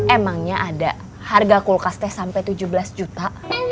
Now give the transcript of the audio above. emangnya ada harga kulkas teh sampai tujuh belas juta